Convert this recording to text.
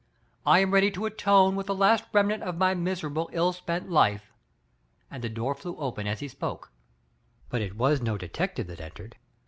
I am ready to atone with the last remnant of my mis erable, ill spent life." And the door flew open as he spoke — but it was no detective that entered.